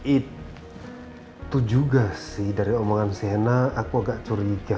itu juga sih dari omongan sena aku agak curiga